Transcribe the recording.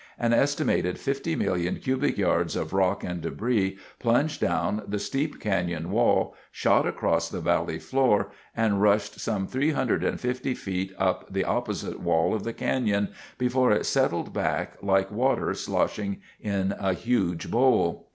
An estimated 50 million cubic yards of rock and debris plunged down the steep canyon wall, shot across the valley floor, and rushed some 350 feet up the opposite wall of the canyon before it settled back, like water sloshing in a huge bowl.